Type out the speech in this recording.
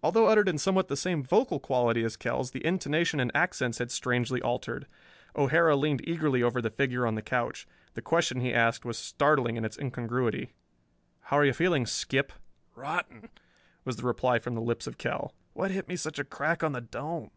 Although uttered in somewhat the same vocal quality as Kell's the intonation and accents had strangely altered. O'Hara leaned eagerly over the figure on the couch. The question he asked was startling in its incongruity: "How are you feeling, Skip!" "Rotten," was the reply from the lips of Kell. "What hit me such a crack on the dome?